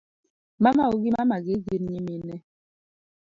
Mamau gi mamagi gin nyimine